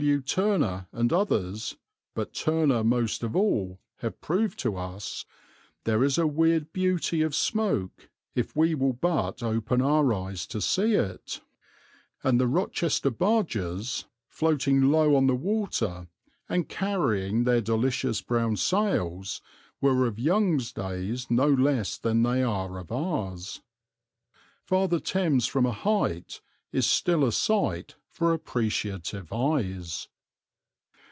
W. Turner and others, but Turner most of all, have proved to us, there is a weird beauty of smoke if we will but open our eyes to see it, and the Rochester barges, floating low on the water and carrying their delicious brown sails, were of Young's days no less than they are of ours. Father Thames from a height is still a sight for appreciative eyes.